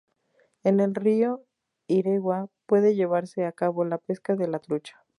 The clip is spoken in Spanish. En el río Iregua puede llevarse a cabo la pesca de la trucha.